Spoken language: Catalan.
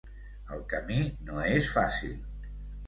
El camí no és fàcil.